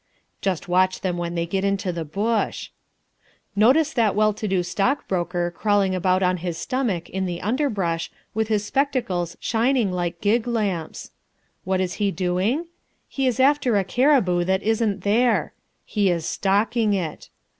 Just watch them when they get into the bush. Notice that well to do stockbroker crawling about on his stomach in the underbrush, with his spectacles shining like gig lamps. What is he doing? He is after a cariboo that isn't there. He is "stalking" it.